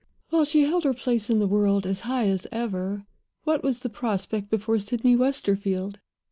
While she held her place in the world as high as ever, what was the prospect before Sydney Westerfield?